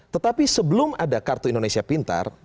tetapi sebelum ada kartu indonesia pintar